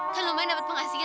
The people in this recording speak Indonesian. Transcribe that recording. kan lumayan dapet pengasian